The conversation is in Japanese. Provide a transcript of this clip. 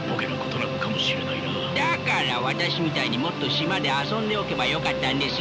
だから私みたいにもっと島で遊んでおけばよかったんですよ。